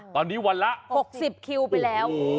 ตอนนี้วันละ๖๐คิวไปแล้ว